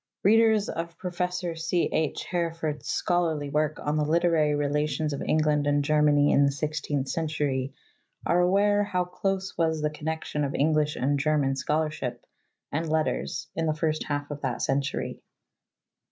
Readers of Professor C. H. Herford's scholarly work on the Literary Relations of Etigland and Germany in the Sixteenth Centurx are aware how close was the connection of Erlglish and German scholarship and letters in the first half of that century.